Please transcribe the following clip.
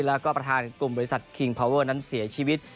แล้วก็ประธานกลุ่มบริษัทคิงพาวเวอร์นั้นเสียชีวิต